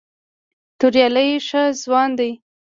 توریالی ښه ځوان دی.